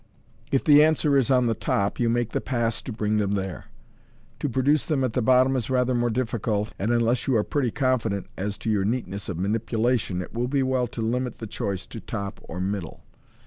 If the answer is, " On the top," you make the pass to bring them there. To produce them MODERN MAGIC, at the bottom is rather more difficult, and unless you are pretty con fident as to your neatness of manipulation, it will be well to limit the choice to " top " or " middle."